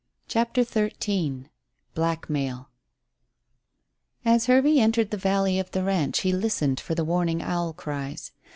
CHAPTER XIII BLACKMAIL As Hervey entered the valley of the ranch he listened for the warning owl cries.